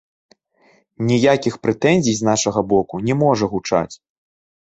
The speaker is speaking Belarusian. Ніякіх прэтэнзій з нашага боку не можа гучаць.